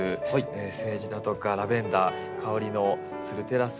セージだとかラベンダー香りのするテラス。